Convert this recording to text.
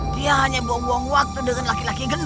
dia hanya buang buang waktu dengan laki laki gendut